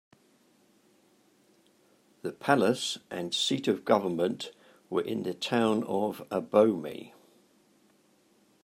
The Palace and seat of government were in the town of Abomey.